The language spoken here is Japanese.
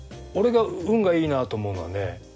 俺が運がいいなと思うのはね